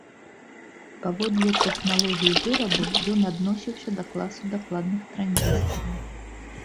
Паводле тэхналогіі вырабу ён адносіўся да класу дакладных транзістараў.